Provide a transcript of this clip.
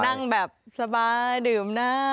นั่งแบบสบายดื่มนะ